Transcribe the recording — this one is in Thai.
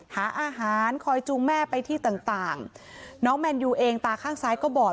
หาอาหารคอยจูงแม่ไปที่ต่างต่างน้องแมนยูเองตาข้างซ้ายก็บอด